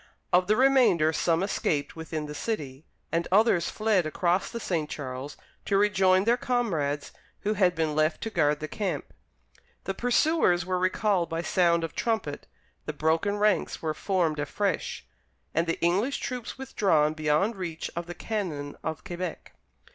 Of the remainder some escaped within the city, and others fled across the St. Charles to rejoin their comrades who had been left to guard the camp. The pursuers were recalled by sound of trumpet, the broken ranks were formed afresh, and the English troops withdrawn beyond reach of the cannon of Quebec.